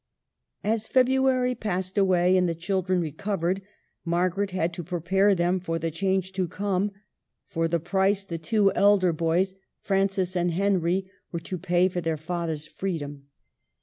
As February passed away and the children recovered, Margaret had to prepare them for the change to come, — for the price the two elder QUEEN OF NAVARRE. 11/ boys, Francis and Henry, were to pay for their father's freedom.